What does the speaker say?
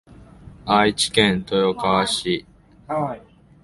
愛知県豊川市